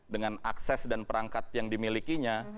dengan akses dan perangkat yang dimilikinya